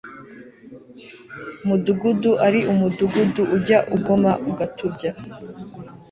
mudugudu ari umudugudu ujya ugoma ugatubya